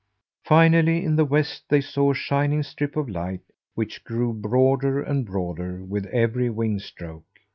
Finally, in the west, they saw a shining strip of light, which grew broader and broader with every wing stroke.